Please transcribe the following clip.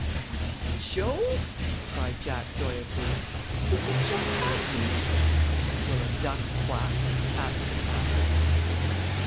"By Jove!" cried Jack, joyously. "Do you think she'll have me?" "Will a duck quack?" asked the cat.